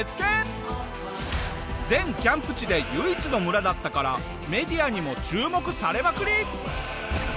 全キャンプ地で唯一の村だったからメディアにも注目されまくり！